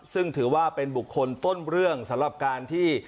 ซึ่งถือว่าเป็นบุคคลต้นเรื่องสำหรับการที่